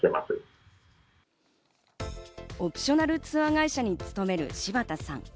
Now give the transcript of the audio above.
オプショナルツアー会社に勤める柴田さん。